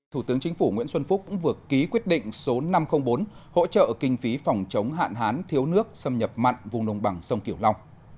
thủ tướng chính phủ nguyễn xuân phúc vừa ký quyết định số năm trăm linh bốn hỗ trợ kinh phí phòng chống hạn hán thiếu nước xâm nhập mặn vùng đồng bằng sông kiểu long